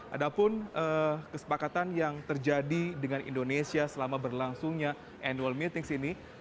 ada pun kesepakatan yang terjadi dengan indonesia selama berlangsungnya annual meetings ini